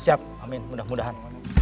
siap amin mudah mudahan